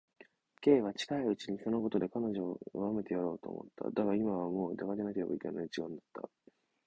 Ｋ は近いうちにそのことで彼女をとがめてやろうと思った。だが、今はもう出かけていかねばならぬ時間だった。